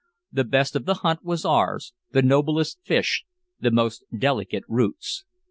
The best of the hunt was ours, the noblest fish, the most delicate roots.